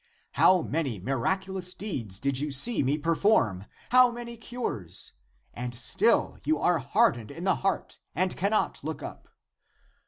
How many miraculous deeds did you see me perform, how many cures ! And still you are hardened in the heart and cannot look up.